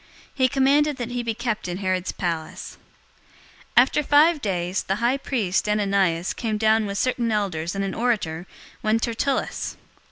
He commanded that he be kept in Herod's palace. 024:001 After five days, the high priest, Ananias, came down with certain elders and an orator, one Tertullus.